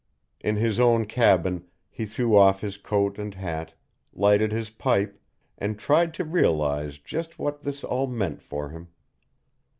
In his own cabin he threw off his coat and hat, lighted his pipe, and tried to realize just what this all meant for him.